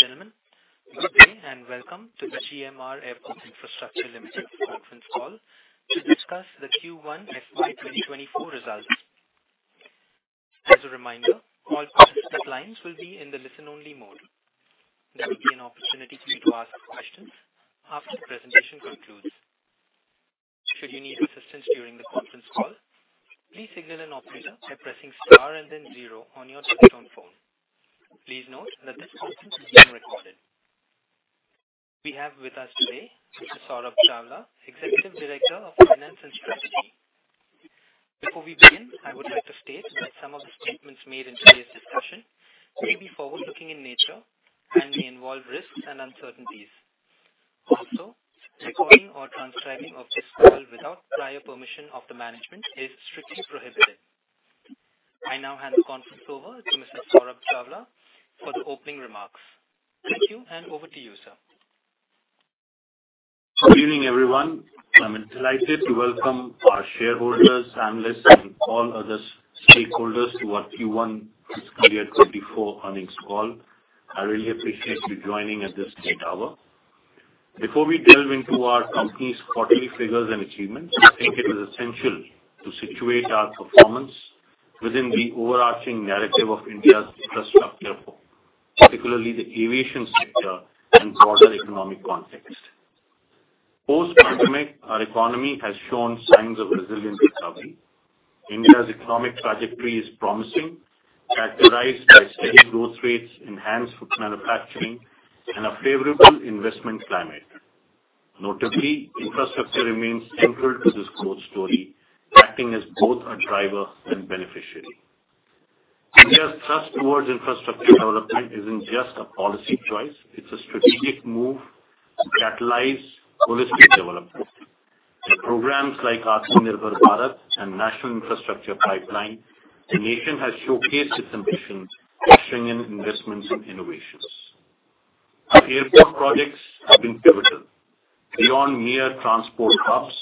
Ladies and gentlemen, good day, and welcome to the GMR Airports Infrastructure Limited conference call to discuss the Q1 FY2024 results. As a reminder, all participants' lines will be in the listen-only mode. There will be an opportunity for you to ask questions after the presentation concludes. Should you need assistance during the conference call, please signal an operator by pressing star and then zero on your telephone phone. Please note that this conference is being recorded. We have with us today, Mr. Saurabh Chawla, Executive Director of Finance and Strategy. Before we begin, I would like to state that some of the statements made in today's discussion may be forward-looking in nature and may involve risks and uncertainties. Also, recording or transcribing of this call without prior permission of the management is strictly prohibited. I now hand the conference over to Mr. Saurabh Chawla for the opening remarks. Thank you, and over to you, sir. Good evening, everyone. I'm delighted to welcome our shareholders, analysts, and all other stakeholders to our Q1 fiscal year 2024 earnings call. I really appreciate you joining at this late hour. Before we delve into our company's quarterly figures and achievements, I think it is essential to situate our performance within the overarching narrative of India's infrastructure, particularly the aviation sector and broader economic context. Post-pandemic, our economy has shown signs of resilient recovery. India's economic trajectory is promising, characterized by steady growth rates, enhanced manufacturing, and a favorable investment climate. Notably, infrastructure remains central to this growth story, acting as both a driver and beneficiary. India's thrust towards infrastructure development isn't just a policy choice; it's a strategic move to catalyze holistic development. With programs like Atmanirbhar Bharat and National Infrastructure Pipeline, the nation has showcased its ambitions for stringent investments and innovations. Our airport projects have been pivotal. Beyond mere transport hubs,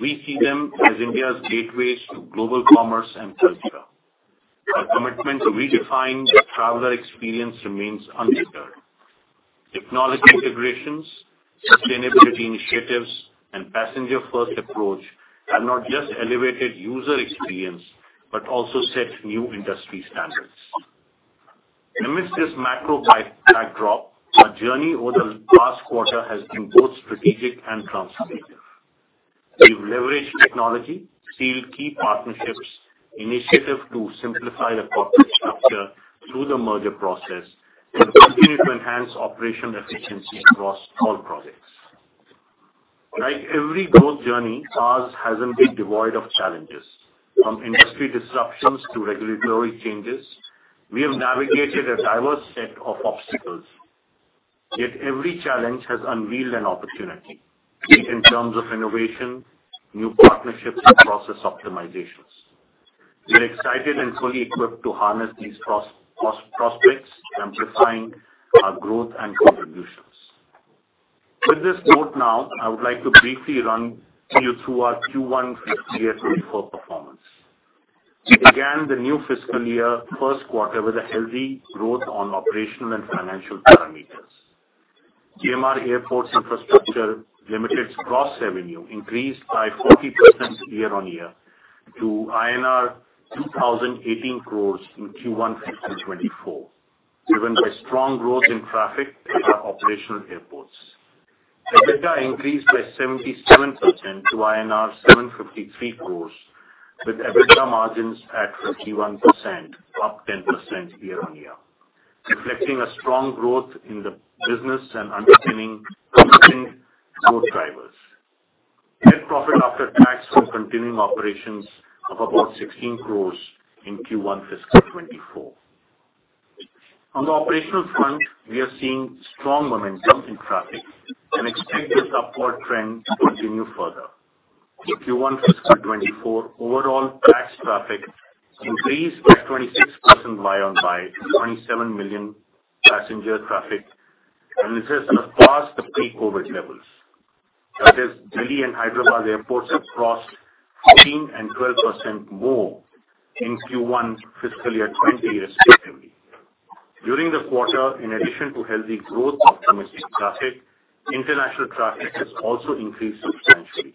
we see them as India's gateways to global commerce and culture. Our commitment to redefining the traveler experience remains undeterred. Technology integrations, sustainability initiatives, and passenger-first approach have not just elevated user experience, but also set new industry standards. Amidst this macro backdrop, our journey over the past quarter has been both strategic and transformative. We've leveraged technology, sealed key partnerships, initiative to simplify the corporate structure through the merger process, and continued to enhance operational efficiency across all projects. Like every growth journey, ours hasn't been devoid of challenges. From industry disruptions to regulatory changes, we have navigated a diverse set of obstacles, yet every challenge has unveiled an opportunity in terms of innovation, new partnerships, and process optimizations. We are excited and fully equipped to harness these prospects, amplifying our growth and contributions. With this note now, I would like to briefly run you through our Q1 FY2024 performance. We began the new fiscal year first quarter with a healthy growth on operational and financial parameters. GMR Airports Infrastructure Limited's gross revenue increased by 40% year-on-year to INR 2,018 crores in Q1 FY2024, driven by strong growth in traffic in our operational airports. EBITDA increased by 77% to INR 753 crores, with EBITDA margins at 51%, up 10% year-on-year, reflecting a strong growth in the business and underpinning underlying growth drivers. Net profit after tax from continuing operations of about 16 crores in Q1 FY2024. On the operational front, we are seeing strong momentum in traffic and expect this upward trend to continue further. In Q1 FY2024, overall PAX traffic increased by 26% year-on-year by 27 million passenger traffic, this is across the pre-COVID levels. That is, Delhi and Hyderabad airports have crossed 13% and 12% more in Q1 FY2020, respectively. During the quarter, in addition to healthy growth of domestic traffic, international traffic has also increased substantially.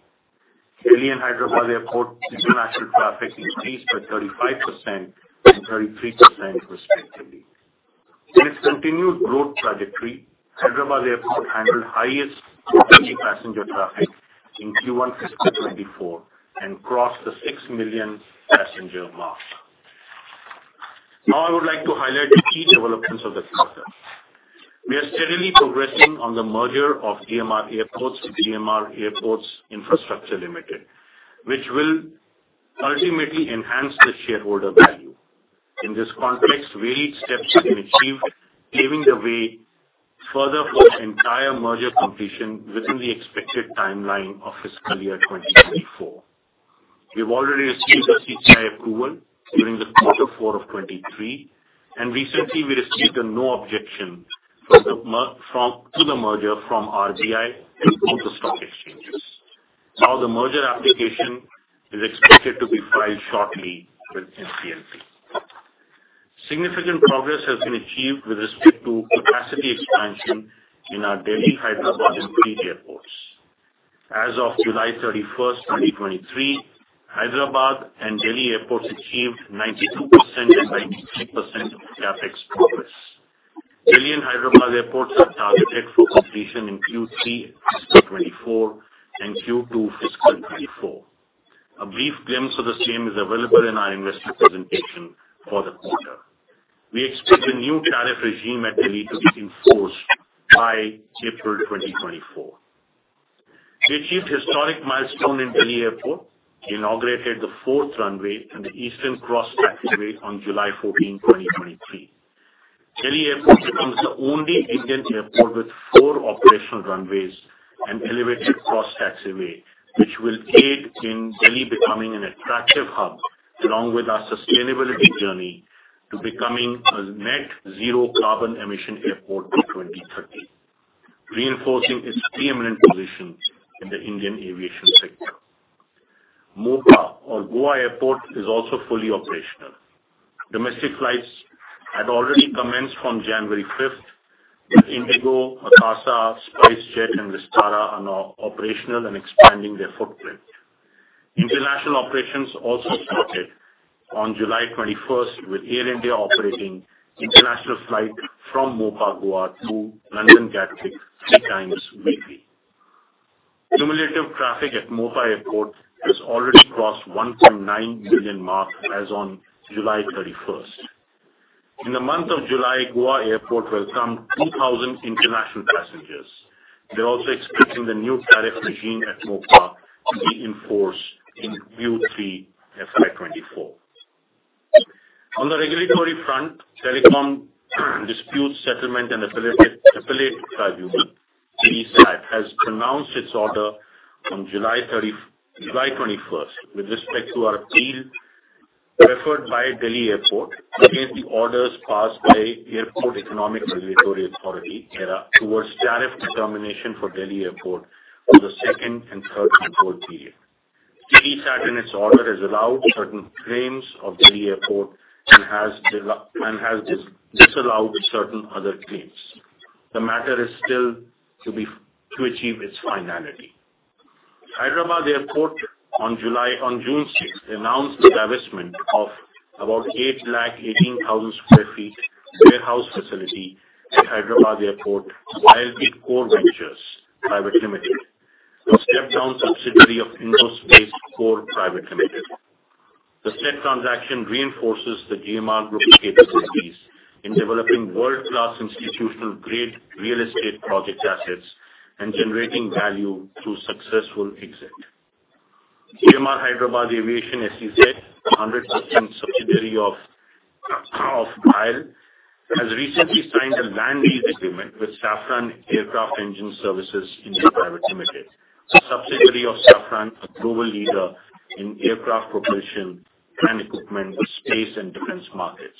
Delhi and Hyderabad Airport international traffic increased by 35% and 33%, respectively. In its continued growth trajectory, Hyderabad Airport handled highest multi-passenger traffic in Q1 FY2024 and crossed the six million passenger mark. I would like to highlight the key developments of the quarter. We are steadily progressing on the merger of GMR Airports to GMR Airports Infrastructure Limited, which will ultimately enhance the shareholder value. In this context, various steps have been achieved, paving the way further for the entire merger completion within the expected timeline of fiscal year 2024. We have already received the CCI approval during the Q4 of 2023, recently we received a no-objection to the merger from RBI and from the stock exchange. Now the merger application is expected to be filed shortly with NCLT. Significant progress has been achieved with respect to capacity expansion in our Delhi, Hyderabad, and Delhi airports. As of July 31st, 2023, Hyderabad and Delhi airports achieved 92% and 93% tariff progress. Delhi and Hyderabad airports are targeted for completion in Q3 fiscal 2024 and Q2 fiscal 2024. A brief glimpse of the same is available in our investor presentation for the quarter. We expect the new tariff regime at Delhi to be enforced by April 2024. We achieved historic milestone in Delhi Airport, inaugurated the 4th runway and the eastern cross taxiway on July 14, 2023. Delhi Airport becomes the only Indian airport with four operational runways and elevated cross taxiway, which will aid in Delhi becoming an attractive hub, along with our sustainability journey to becoming a net zero carbon emission airport by 2030, reinforcing its preeminent position in the Indian aviation sector. Mopa or Goa Airport is also fully operational. Domestic flights had already commenced on January 5th, with IndiGo, Akasa Air, SpiceJet, and Vistara are now operational and expanding their footprint. International operations also started on July 21st, with Air India operating international flight from Mopa, Goa to London, Gatwick three times weekly. Cumulative traffic at Mopa Airport has already crossed 1.9 million mark as on July 31st. In the month of July, Goa Airport welcomed 2,000 international passengers. We're also expecting the new tariff regime at Mopa to be enforced in Q3 FY2024. On the regulatory front, Telecom Disputes Settlement and Appellate Tribunal, TDSAT, has pronounced its order on July 21st, with respect to our appeal referred by Delhi Airport against the orders passed by Airport Economic Regulatory Authority, AERA, towards tariff determination for Delhi Airport for the second and third control period. TDSAT, in its order, has allowed certain claims of Delhi Airport and has disallowed certain other claims. The matter is still to achieve its finality. Hyderabad Airport, on June 6th, announced the divestment of about 818,000 sq ft warehouse facility at Hyderabad Airport by the Core Ventures Private Limited, a step-down subsidiary of IndoSpace Core Private Limited. The said transaction reinforces the GMR Group's capabilities in developing world-class institutional grade real estate project assets and generating value through successful exit. GMR Hyderabad Aviation SEZ, a 100% subsidiary of GHI AL, has recently signed a land lease agreement with Safran Aircraft Engine Services India Private Limited, a subsidiary of Safran, a global leader in aircraft propulsion and equipment, space and defense markets.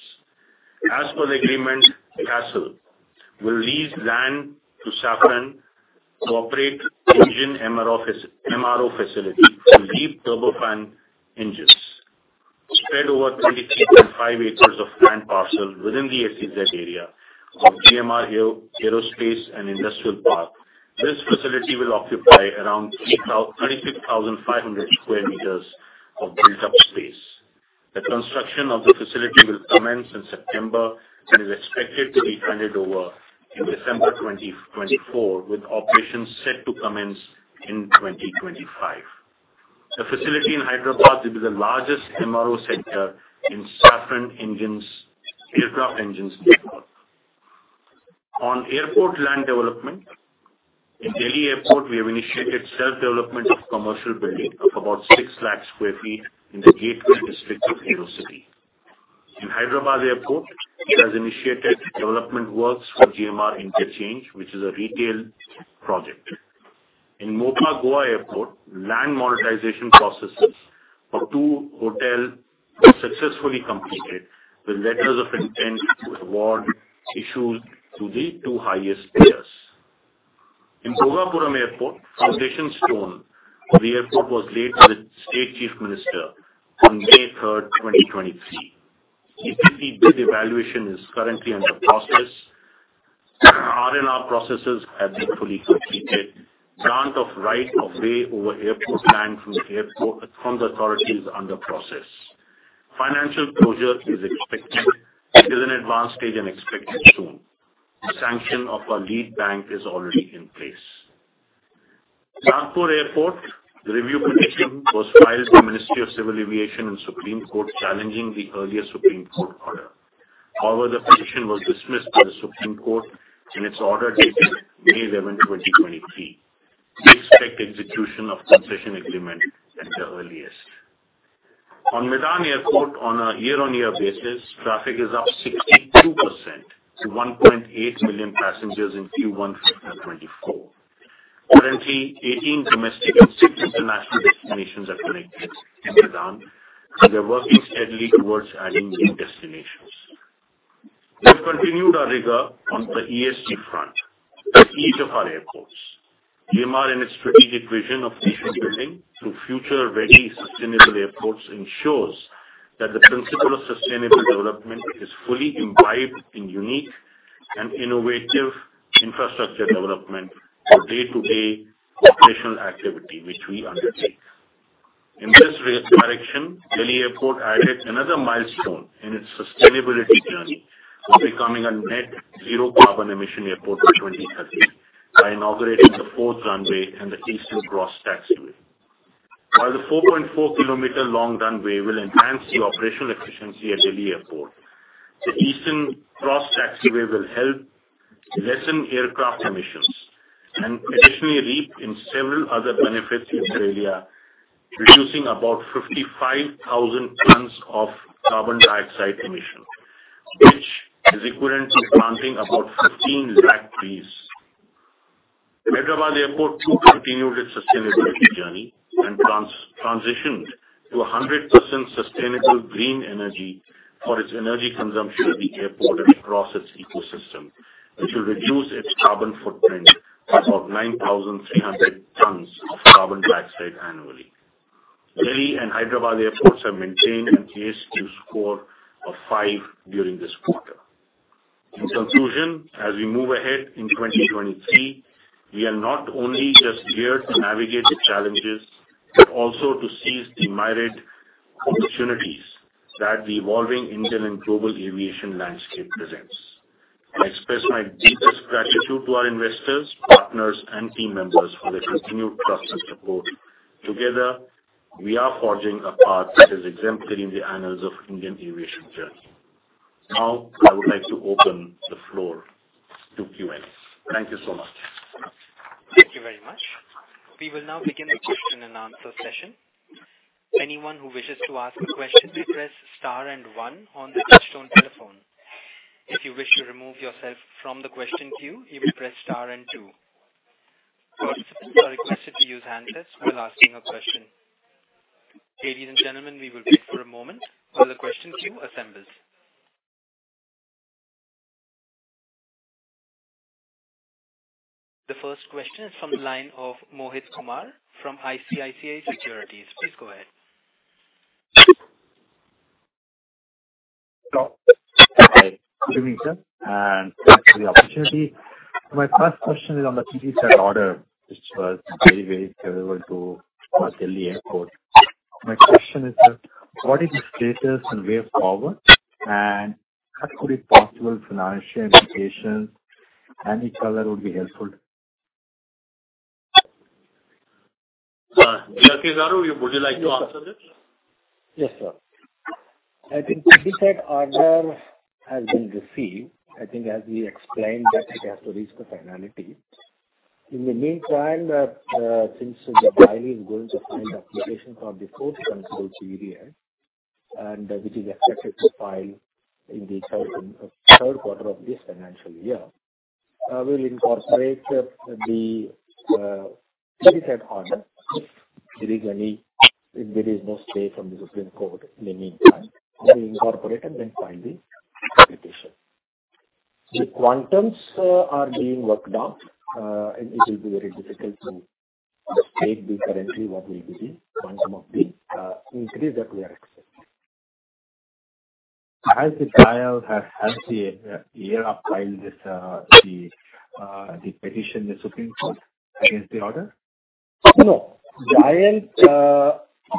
As per the agreement, GHASL will lease land to Safran to operate engine MRO facility to LEAP turbofan engines. Spread over 33.5 acres of land parcel within the SEZ area of GMR Aerospace and Industrial Park, this facility will occupy around 35,500 sq m of built up space. The construction of the facility will commence in September and is expected to be handed over in December 2024, with operations set to commence in 2025. The facility in Hyderabad will be the largest MRO center in Safran Engines, Aircraft Engines network. Airport land development, in Delhi Airport, we have initiated self-development of commercial building of about 600,000 sq ft in the gateway district of Aerocity. In Hyderabad Airport, it has initiated development works for GMR Interchange, which is a retail project. In Mopa, Goa Airport, land monetization processes for two hotel were successfully completed, with letters of intent to award issued to the two highest players. In Trivandrum Airport, foundation stone of the airport was laid by the state chief minister on May 3, 2023. EPC bid evaluation is currently under process. RNR processes have been fully completed. Grant of right of way over airport land from the airport, from the authority is under process. Financial closure is expected, is an advanced stage and expected soon. The sanction of our lead bank is already in place. Nagpur Airport, the review petition was filed by the Ministry of Civil Aviation and Supreme Court challenging the earlier Supreme Court order. The petition was dismissed by the Supreme Court in its order dated May 11th, 2023. On Medan Airport, on a year-on-year basis, traffic is up 62% to 1.8 million passengers in Q1 2024. Currently, 18 domestic and six international destinations are connected in Medan. They're working steadily towards adding new destinations. We have continued our rigor on the ESG front at each of our airports. GMR in its strategic vision of nation building through future-ready sustainable airports ensures that the principle of sustainable development is fully imbibed in unique and innovative infrastructure development for day-to-day operational activity, which we undertake. In this re-direction, Delhi Airport added another milestone in its sustainability journey of becoming a net zero carbon emission airport by 2030 by inaugurating the 4th runway and the eastern cross taxiway. While the 4.4-kilometer long runway will enhance the operational efficiency at Delhi Airport, the eastern cross taxiway will help lessen aircraft emissions and additionally reap in several other benefits to India, reducing about 55,000 tons of carbon dioxide emission, which is equivalent to planting about 15 lakh trees. Hyderabad Airport too continued its sustainability journey and transitioned to a 100% sustainable green energy for its energy consumption at the airport across its ecosystem, which will reduce its carbon footprint of about 9,300 tons of carbon dioxide annually. Delhi and Hyderabad airports have maintained an ESG score of five during this quarter. In conclusion, as we move ahead in 2023, we are not only just here to navigate the challenges, but also to seize the myriad opportunities that the evolving Indian and global aviation landscape presents. I express my deepest gratitude to our investors, partners, and team members for their continued trust and support. Together, we are forging a path that is exemplary in the annals of Indian aviation journey. Now, I would like to open the floor to Q&A. Thank you so much. Thank you very much. We will now begin the question and answer session. Anyone who wishes to ask a question, please press star and one on the touchtone telephone. If you wish to remove yourself from the question queue, you will press star and two. Participants are requested to use handsets while asking a question. Ladies and gentlemen, we will wait for a moment while the question queue assembles. The first question is from the line of Mohit Kumar from ICICI Securities. Please go ahead. Hi, good evening, sir. Thanks for the opportunity. My first question is on the order, which was very, very favorable to Delhi Airport. My question is, sir, what is the status and way forward? Could it possible financial indications, any color would be helpful? Would you like to answer this? Yes, sir. I think order has been received. I think as we explained that it has to reach the finality. In the meantime, since the buying is going to file the application for the fourth control period, and which is expected to file in the third quarter of this financial year, we'll incorporate the order. If there is no stay from the Supreme Court in the meantime, we'll incorporate and then file the application. The quantums are being worked out, and it will be very difficult to state currently what will be the quantum of the increase that we are expecting. Has the dial has, has the year filed this, the, the petition, the Supreme Court against the order? No, dial,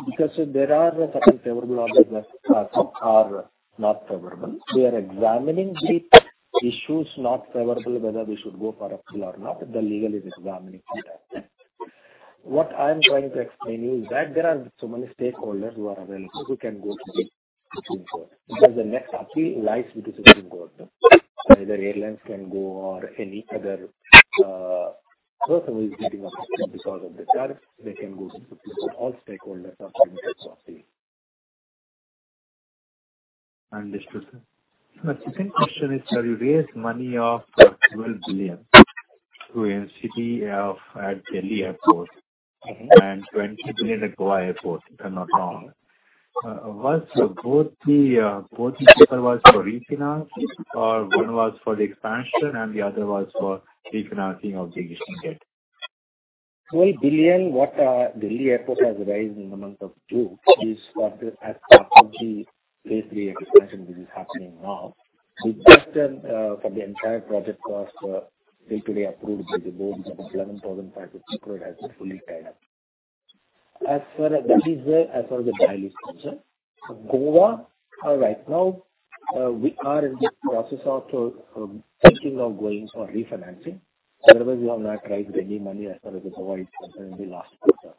because there are certain favorable orders that are, are not favorable. We are examining the issues not favorable, whether we should go for appeal or not, the legal is examining that. What I'm trying to explain is that there are so many stakeholders who are available who can go to the Supreme Court, because the next appeal lies with the Supreme Court. Either airlines can go or any other, person who is getting affected because of the tariff, they can go to the Supreme Court. All stakeholders are part of the policy. Understood, sir. My second question is, have you raised money of 12 billion through NCD at Delhi Airport and 20 billion at Goa Airport if I'm not wrong? Was both the, both the paper was for refinance, or one was for the expansion and the other was for refinancing of the existing debt? 12 billion, what Delhi Airport has raised in the month of June is for the as part of the lately expansion which is happening now. The question for the entire project cost till today, approved by the board is about 11,500 crore has been fully tied up. As far as DIAL is concerned. Goa, right now, we are in the process of thinking of going for refinancing. Otherwise, we have not raised any money as far as Goa is concerned in the last quarter.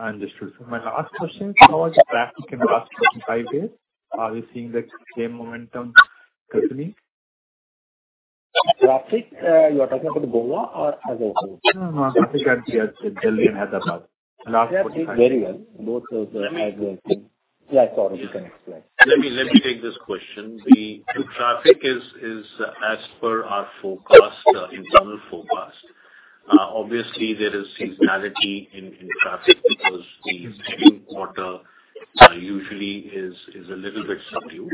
Understood. My last question, how was traffic in the last 25 years? Are we seeing the same momentum continuing? Traffic, you are talking about Goa or as a whole? No, no. Traffic at Delhi and Hyderabad. Last 45- Very well. Both as well. Yeah, sorry, you can explain. Let me, let me take this question. The traffic is, is as per our forecast, internal forecast. Obviously, there is seasonality in, in traffic because the second quarter usually is, is a little bit subdued.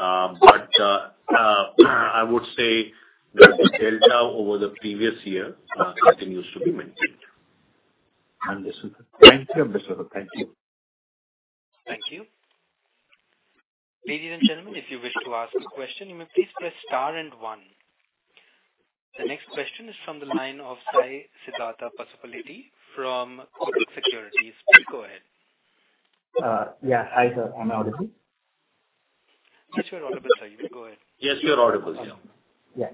I would say that the delta over the previous year continues to be maintained. This is it. Thank you, Abhishek. Thank you. Thank you. Ladies and gentlemen, if you wish to ask a question, you may please press star and one. The next question is from the line of Sai Siddhartha Pasupuleti from Kotak Securities. Please go ahead. Yeah. Hi, sir. I'm audible? Yes, you are audible, sir. You may go ahead. Yes, we are audible, yeah. Yeah.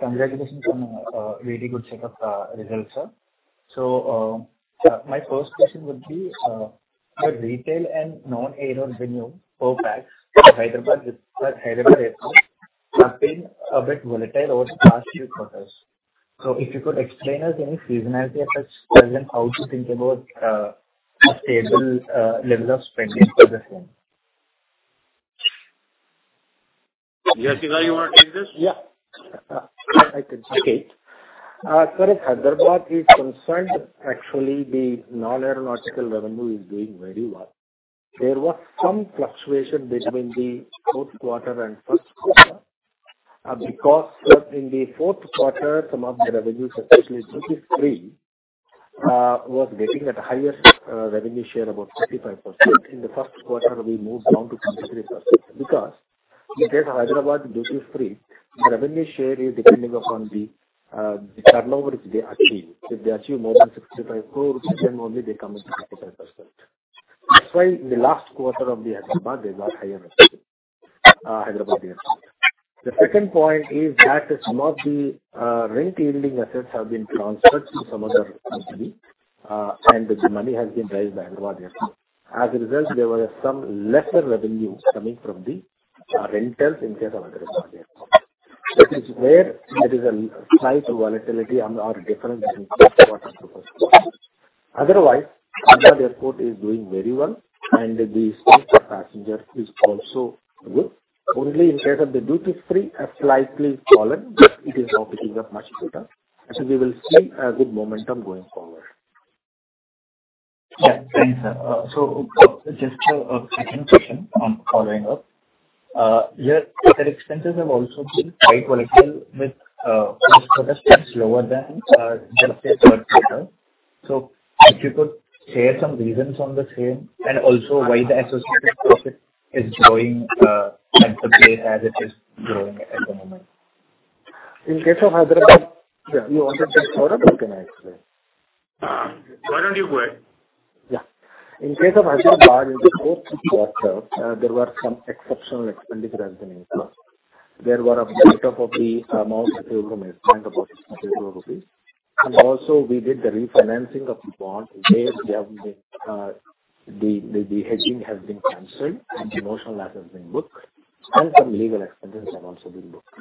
Congratulations on a really good set of results, sir. My first question would be your retail and non-aero revenue per PAX for Hyderabad, Hyderabad Airport have been a bit volatile over the past few quarters. If you could explain us any seasonality effects and then how to think about a stable level of spending for the same? Yes, Kiva, you want to take this? Yeah. I can take it. As Hyderabad is concerned, actually, the non-aeronautical revenue is doing very well. There was some fluctuation between the fourth quarter and first quarter, because in the fourth quarter, some of the revenues, especially duty-free, was getting at the highest revenue share, about 55%. In the first quarter, we moved down to 23%. Because in case of Hyderabad duty-free, the revenue share is depending upon the turnover which they achieve. If they achieve more than 65 crore, then only they come into 55%. That's why in the last quarter of the Hyderabad, they got higher revenue, Hyderabad Airport. The second point is that some of the rent-yielding assets have been transferred to some other entity, and the money has been raised by Hyderabad Airport. As a result, there were some lesser revenues coming from the rentals in case of Hyderabad Airport. It is where there is a slight volatility on our difference between first quarter to fourth quarter. Otherwise, Hyderabad Airport is doing very well, and the stretch of passengers is also good. Only in case of the duty-free, a slightly fallen, but it is now picking up much better. We will see a good momentum going forward. Yeah. Thank you, sir. just a second question on following up. Yeah, the expenses have also been quite volatile with this quarter slightly lower than just the third quarter. If you could share some reasons on the same and also why the associated profit is growing at the rate as it is growing at the moment. In case of Hyderabad. Yeah, you want to just hold up, or can I explain? Why don't you go ahead? Yeah. In case of Hyderabad, in the fourth quarter, there were some exceptional expenditures. There were a write-off of the amount, about INR 60 crore. Also we did the refinancing of the bond, where we have been, the, the hedging has been canceled, and the emotional loss has been booked, and some legal expenses have also been booked.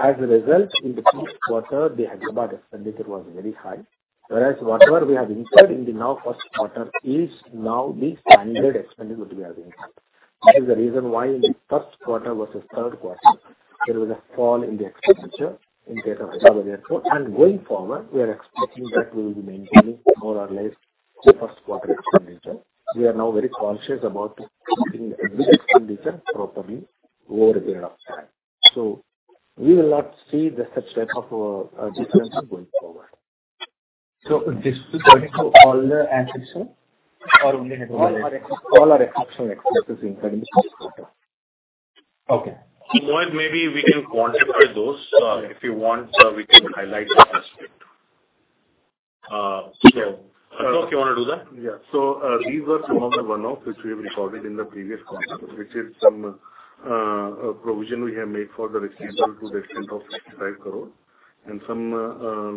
As a result, in the fourth quarter, the Hyderabad expenditure was very high, whereas whatever we have incurred in the now first quarter is now the standard expenditure which we are being had. That is the reason why in the first quarter versus third quarter, there was a fall in the expenditure in case of Hyderabad Airport. Going forward, we are expecting that we will be maintaining more or less the first quarter expenditure. We are now very conscious about keeping the expenditure properly over a period of time. We will not see the such type of difference going forward. This is going to all the airports or only Hyderabad? All our exceptional expenses inside the first quarter. Okay. Mohit, maybe we can quantify those. If you want, we can highlight that aspect. Mohit, you want to do that? Yeah. These were some of the one-off which we recorded in the previous quarter, which is some provision we have made for the receivable to the extent of 65 crore, and some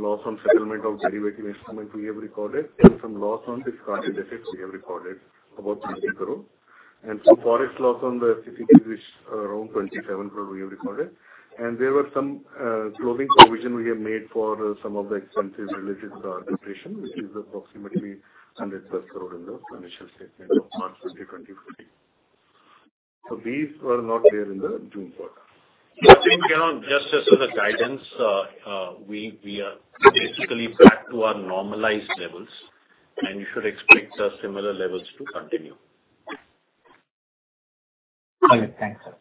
loss on settlement of derivative instrument we have recorded, and some loss on discarded assets we have recorded, about 30 crore. Some Forex loss on the CTDs, which are around 27 crore we have recorded. There were some closing provision we have made for some of the expenses related to the arbitration, which is approximately 100 crore in the financial statement of March 2023. These were not there in the June quarter. Yeah, again, just, just as a guidance, we, we are basically back to our normalized levels, and you should expect the similar levels to continue. All right. Thanks, sir.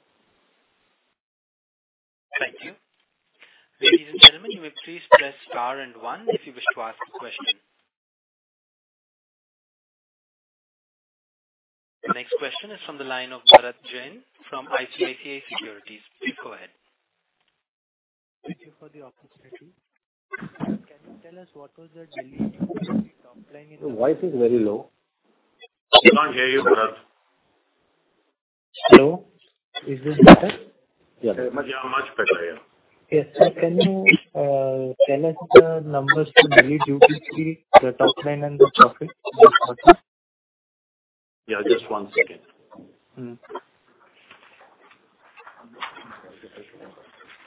Thank you. Ladies and gentlemen, you may please press Star and one if you wish to ask a question. The next question is from the line of Bharat Jain from ICICI Securities. Please go ahead. Thank you for the opportunity. Can you tell us what was the delay in the top line in-? Your voice is very low. We can't hear you, Bharat. Hello, is this better? Yeah, much, yeah, much better. Yeah. Yes, sir. Can you tell us the numbers to daily duty-free, the top line and the profit? Yeah, just one second. Mm.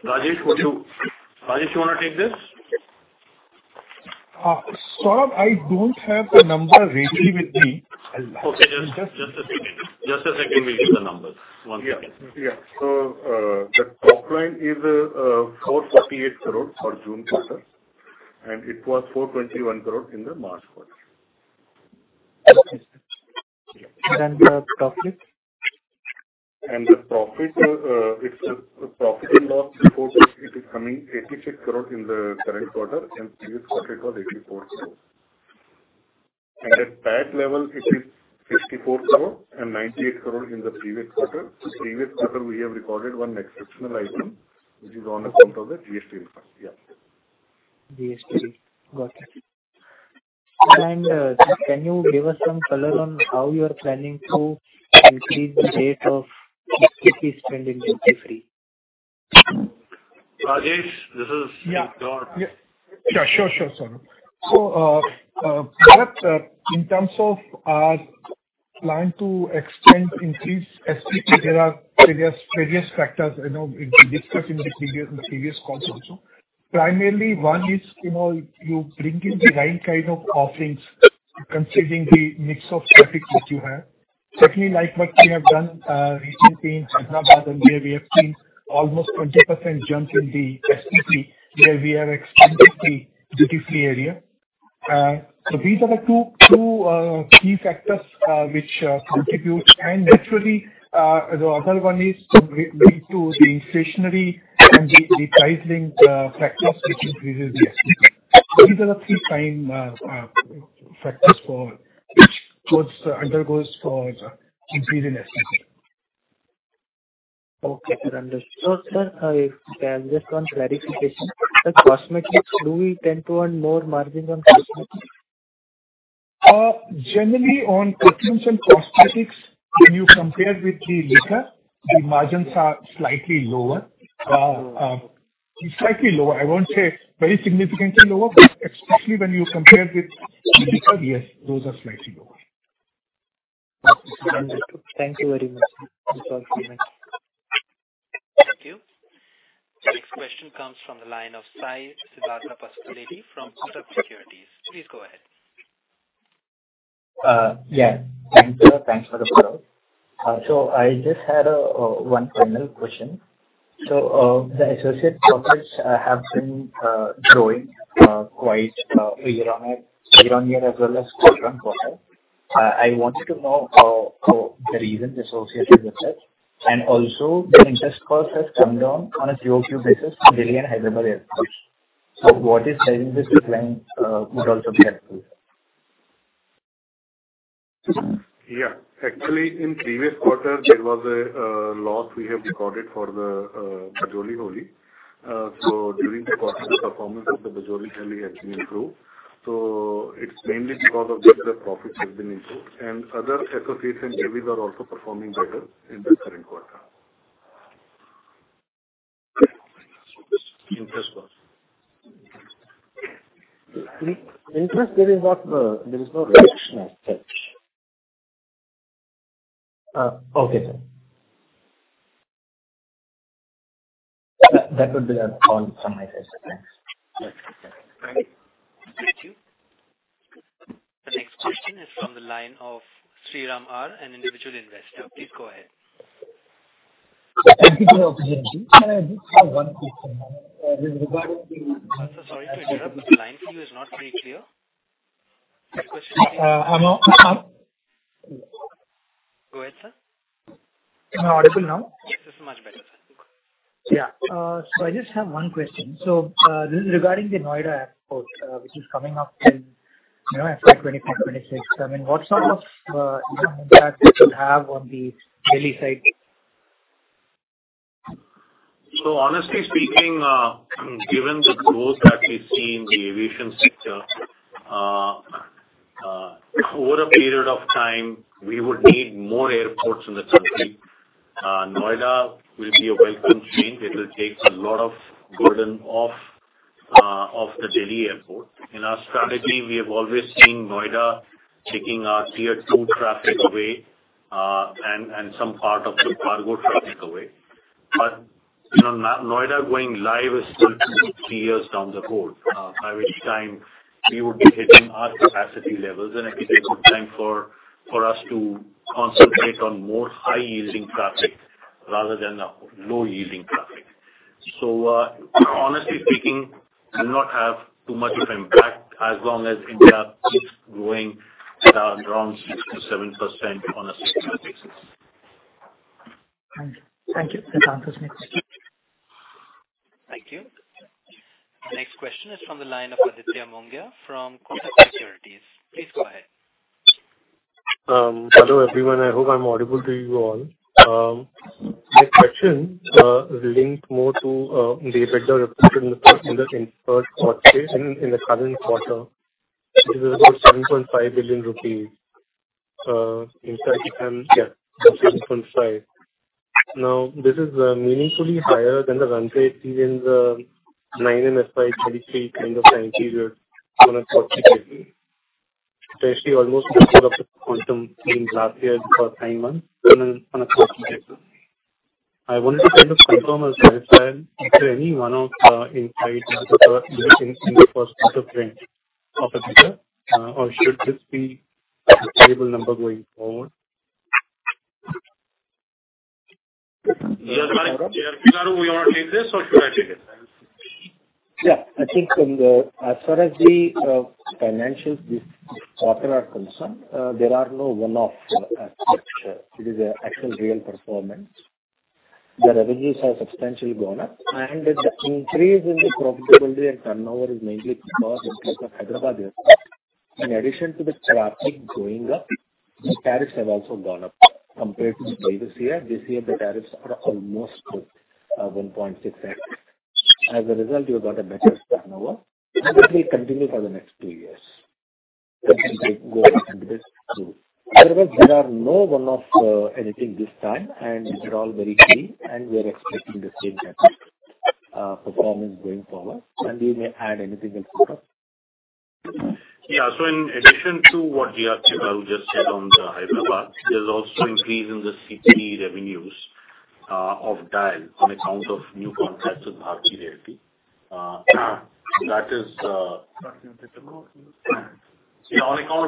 Rajesh, Rajesh, you want to take this? Saurabh, I don't have the number readily with me. Okay, just a second. Just a second, we'll give the numbers. Yeah, yeah. The top line is 448 crore for June quarter, and it was 421 crore in the March quarter. Okay. The profit? The profit, it's the profit and loss before it is coming 86 crore in the current quarter, and previous quarter it was 84 crore. At that level, it is 54 crore and 98 crore in the previous quarter. Previous quarter, we have recorded one exceptional item, which is on account of the GST refund. Yeah. GST. Got it. Can you give us some color on how you are planning to increase the rate of SP spending duty-free? Rajesh, this is Gaur. Yeah. Sure, sure, sure. Perhaps, in terms of planning to extend, increase SP, there are various, various factors I know we discussed in the previous, previous calls also. Primarily, one is, you know, you bring in the right kind of offerings, considering the mix of traffic that you have. Secondly, like what we have done recently in Hyderabad, where we have seen almost 20% jump in the SP, where we have expanded the duty-free area. These are the two, two key factors which contribute. Naturally, the other one is due to the inflationary and the repricing practice, which increases the SP. These are the three prime factors for which undergoes for increase in SP. Okay, sir. Understood. Sir, if I have just one clarification. The cosmetics, do we tend to earn more margin on cosmetics? Generally, on perfumes and cosmetics, when you compare with the liquor, the margins are slightly lower. Slightly lower, I won't say very significantly lower, but especially when you compare with liquor, yes, those are slightly lower. Understood. Thank you very much, sir. That's all for me. Thank you. The next question comes from the line of Sai Siddhartha Pasupuleti from Kotak Securities. Please go ahead. Yeah. Thank you. Thanks for the call. I just had one final question. The associate profits have been growing quite year-on-year, year-on-year as well as current quarter. I wanted to know the reasons associated with it. Also, the interest cost has come down on a QoQ basis in Delhi and Hyderabad airports. What is driving this decline would also be helpful. Yeah. Actually, in previous quarter, there was a loss we have recorded for the Bajoli Holi. During the quarter, performance of the Bajoli Holi has been improved. It's mainly because of that, the profits have been improved, and other associates and JVs are also performing better in the current quarter. Interest loss. Interest, there is not, there is no reduction as such. Okay, sir. That, that would be all from my side, sir. Thanks. Thank you. The next question is from the line of Sriram R, an individual investor. Please go ahead. Thank you for the opportunity. Can I just have one question, with regard to- Sir, sorry to interrupt. The line for you is not very clear. Hello? Go ahead, sir. Am I audible now? Yes, this is much better, sir. Yeah. I just have one question. Regarding the Noida Airport, which is coming up in, you know, at 2025-2026, I mean, what sort of impact it should have on the Delhi side? Honestly speaking, given the growth that we've seen in the aviation sector over a period of time, we would need more airports in the country. Noida will be a welcome change. It will take a lot of burden off the Delhi Airport. In our strategy, we have always seen Noida taking our tier two traffic away and some part of the cargo traffic away. You know, Noida going live is still two, three years down the road, by which time we would be hitting our capacity levels, and it will take some time for us to concentrate on more high-yielding traffic rather than the low-yielding traffic. Honestly speaking, do not have too much of impact as long as India keeps growing around 6%-7% on a sustainable basis. Thank you. Thank you. That answers my question. Thank you. The next question is from the line of Aditya Mongia from Kotak Securities. Please go ahead. Hello, everyone. I hope I'm audible to you all. My question is linked more to the EBITDA reported in the first quarter, in the current quarter. It is about 7.5 billion rupees, in fact, yeah, 7.5. Now, this is meaningfully higher than the run rate seen in the nine and five 23 kind of anterior on a quarterly basis, especially almost of the quantum in last year for nine months on a, on a quarterly basis. I wanted to kind of confirm or clarify, is there any one of insight into the first quarter trend of a year, or should this be a stable number going forward? Yeah, we already this, or should I take it? Yeah, I think from the-- as far as the financial quarter are concerned, there are no one-off aspects. It is an actual real performance. The revenues have substantially gone up, and the increase in the profitability and turnover is mainly because in case of Hyderabad, in addition to the traffic going up, the tariffs have also gone up. Compared to the previous year, this year the tariffs are almost 1.6x. As a result, you got a better turnover, and this will continue for the next two years. There are no one-off, anything this time, and these are all very clean, and we are expecting the same performance going forward. We may add anything else. Yeah. In addition to what I will just said on the Hyderabad, there's also increase in the CTE revenues of DIAL on account of new contracts with Bharti Realty. That is. 继续 difficult. Yeah,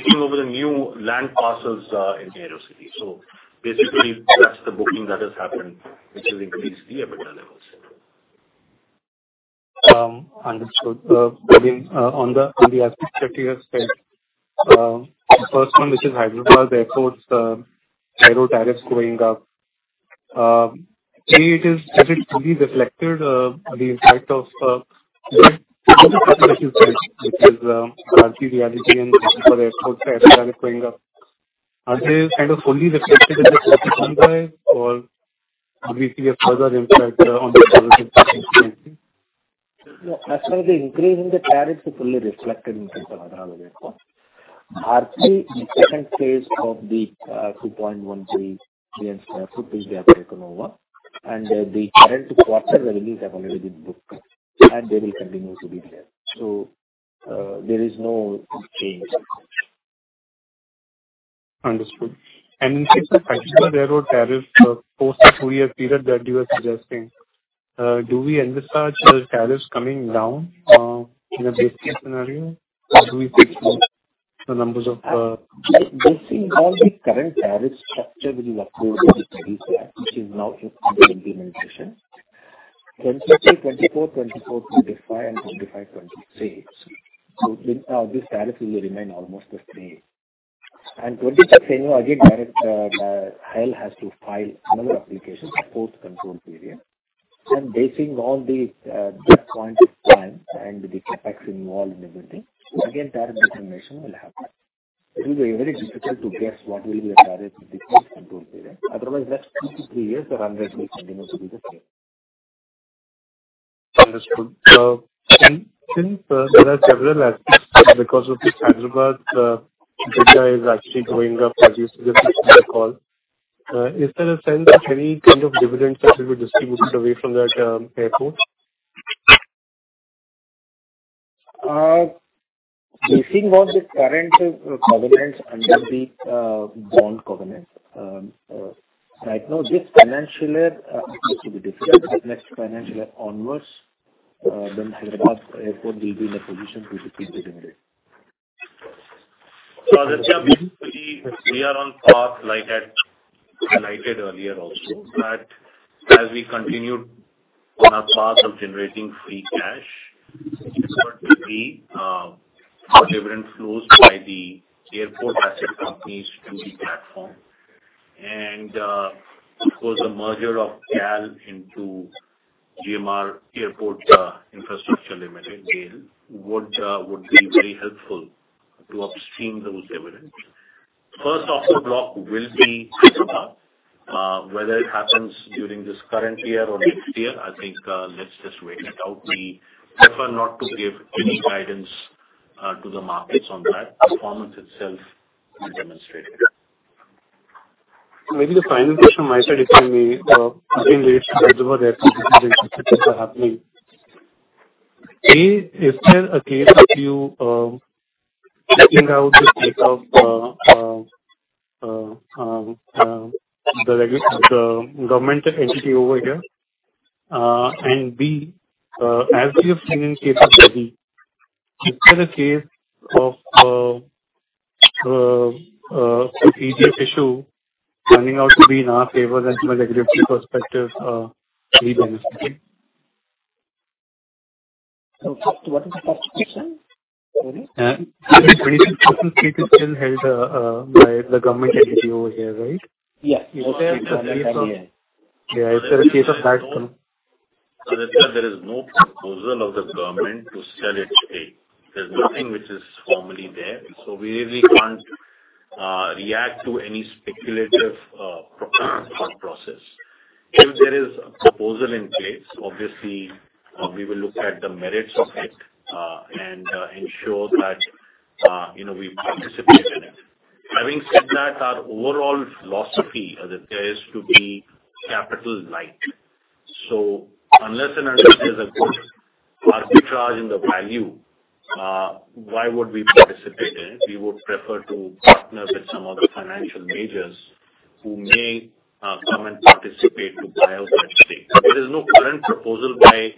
taking over the new land parcels in the Aerocity. Basically, that's the booking that has happened, which will increase the EBITDA levels. Understood. Again, on the aspects that you have said, the first one, which is Hyderabad Airport, hydro tariffs going up. Has it fully reflected the impact of Bharti Realty and for airports going up? Are they kind of fully reflected in the number, or do we see a further impact on the As far as the increase in the tariffs is fully reflected in Hyderabad Airport. Actually, the second phase of the 2.13 billion sq ft they have taken over, and the current quarter revenues have already been booked, and they will continue to be there. There is no change. Understood. In case of Hyderabad tariff, post the two-year period that you are suggesting, do we envisage the tariffs coming down in a base case scenario, or do we fix the numbers of... Based on the current tariff structure will be approved, which is now under implementation, 2024, 2024, 2025, and 2025, 2026. This tariff will remain almost the same. 2026, again, direct, HAL has to file another application, post control period. Basing all the, that point of time and the CapEx involved and everything, again, tariff determination will happen. It will be very difficult to guess what will be a tariff before control period. Otherwise, next 2-3 years, the run rate will continue to be the same. Understood. Since, there are several aspects because of this Hyderabad, data is actually going up as you said in the call, is there a sense of any kind of dividends that will be distributed away from that, airport? Basing on the current covenants under the bond covenant, right now, this financial year, it will be difficult, but next financial year onwards, then Hyderabad Airport will be in a position to keep the generate. We are on path, like I highlighted earlier also, that as we continue on our path of generating free cash, there will be dividend flows by the airport asset companies to the platform. Of course, the merger of GAL into GMR Airports Infrastructure Limited, GAIL, would be very helpful to upstream those dividends. First off the block will be Hyderabad. Whether it happens during this current year or next year, I think, let's just wait it out. We prefer not to give any guidance to the markets on that. Performance itself will demonstrate it. Maybe the final question on my side, if I may, in relation to Hyderabad Airport, happening. A, is there a case of you checking out the state of the government entity over here? B, as we have seen in case of Delhi, is there a case of CDF issue turning out to be in our favor and from a regulatory perspective, we benefit? What is the first question? still held, by the government entity over here, right? Yes. Yeah. Is there a case of that? There is no proposal of the government to sell its stake. There's nothing which is formally there, so we really can't react to any speculative thought process. If there is a proposal in place, obviously, we will look at the merits of it, and ensure that, you know, we participate in it. Having said that, our overall philosophy is to be capital light. Unless and until there's a good arbitrage in the value, why would we participate in it? We would prefer to partner with some of the financial majors who may come and participate to buy out that stake. There is no current proposal by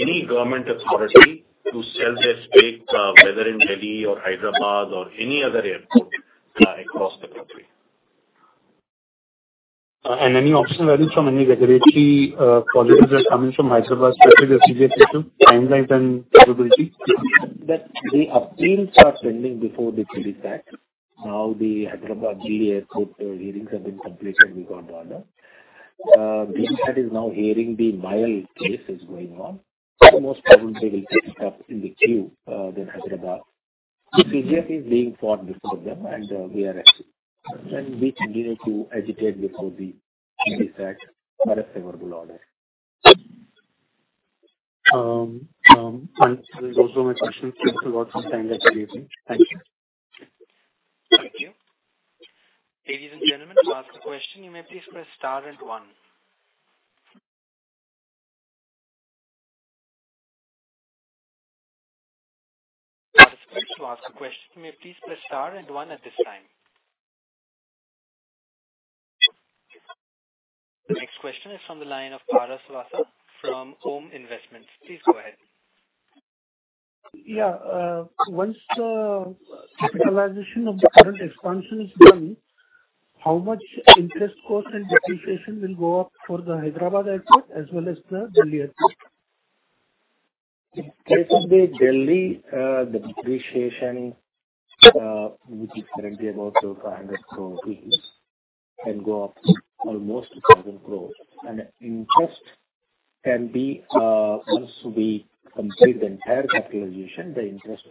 any government authority to sell their stakes, whether in Delhi or Hyderabad or any other airport, across the country. Any optional values from any regulatory colleges that are coming from Hyderabad, especially the CGS issue, timelines and probability? The appeals are pending before the TDSAT. The Hyderabad Delhi Airport hearings have been completed. We got the order. GSF is now hearing the mile case is going on. Most probably they will get stuck in the queue than Hyderabad. The CGS is being fought before them. We are active, and we continue to agitate before the TDSAT for a favorable order. Those are my questions. Thanks a lot for the time that you're giving. Thank you. Thank you. Ladies and gentlemen, to ask a question, you may please press star and one. To ask a question, you may please press star and one at this time. The next question is from the line of Paras Vasa from OM Investments. Please go ahead. Yeah, once the capitalization of the current expansion is done, how much interest cost and depreciation will go up for the Hyderabad Airport as well as the Delhi Airport? In case of the Delhi, the depreciation, which is currently about 500 crore, can go up almost 2,000 crore. Interest can be, once we complete the entire capitalization, the interest,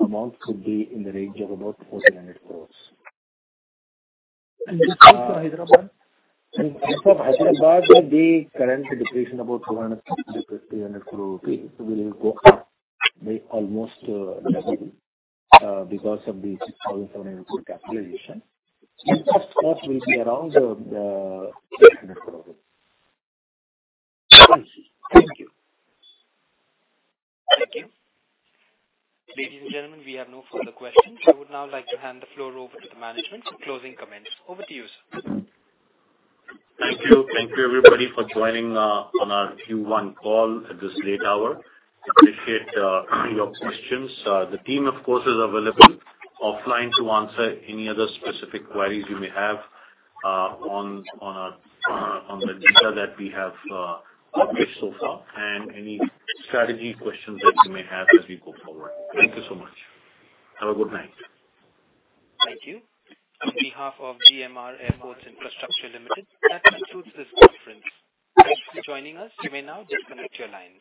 amount could be in the range of about 1,400 crore. This goes for Hyderabad? For Hyderabad, the current depreciation, about 200 crore-300 crore rupees, will go up by almost double because of the 6,700 crore capitalization. Interest cost will be around 1,800 crore rupees. Thank you. Thank you. Ladies and gentlemen, we have no further questions. I would now like to hand the floor over to the management for closing comments. Over to you, sir. Thank you. Thank you, everybody, for joining, on our Q1 call at this late hour. I appreciate all your questions. The team, of course, is available offline to answer any other specific queries you may have, on, on, on the data that we have published so far, and any strategy questions that you may have as we go forward. Thank you so much. Have a good night. Thank you. On behalf of GMR Airports Infrastructure Limited, that concludes this conference. Thanks for joining us. You may now disconnect your lines.